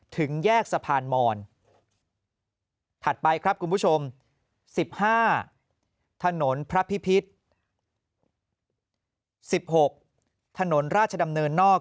ถึงแยกสะพานมอนถัดไปครับคุณผู้ชม๑๕ถนนพระพิพิษ๑๖ถนนราชดำเนินนอก